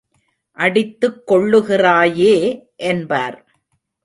அடித்துக் கொள்ளுகிறாயே என்பார்.